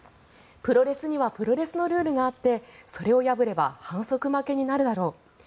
プロレスにはプロレスのルールがあってそれを破れば反則負けになるだろう